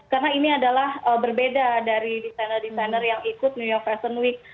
karena ini adalah berbeda dari desainer desainer yang ikut new york fashion week